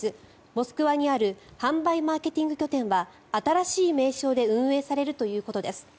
モスクワにある販売・マーケティング拠点は新しい名称で運営されるということです。